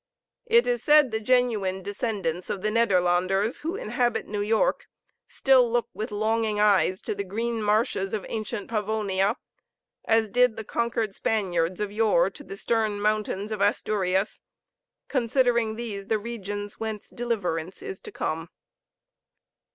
It is said the genuine descendants of the Nederlanders who inhabit New York still look with longing eyes to the green marshes of ancient Pavonia, as did the conquered Spaniards of yore to the stern mountains of Asturias, considering these the regions whence deliverance is to come.